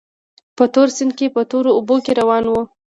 په تور سیند کې په تورو اوبو کې روان وو.